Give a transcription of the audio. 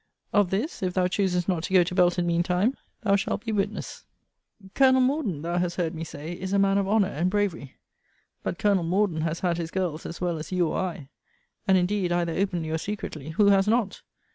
Of this, if thou choosest not to go to Belton mean time, thou shalt be witness. Colonel Morden, thou hast heard me say, is a man of honour and bravery: but Colonel Morden has had his girls, as well as you or I. And indeed, either openly or secretly, who has not?